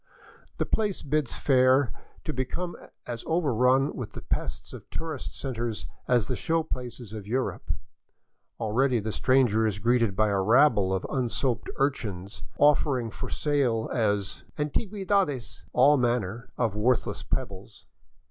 The place bids fair to become as overrun with the pests of tourist centers as the show places of Europe. Already the stranger is greeted by a rabble of unsoaped urchins, offering for sale as '' antigiiedades " all manner of worthless pebbles.